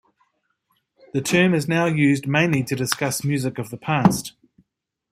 The term is now used mainly to discuss music of the past.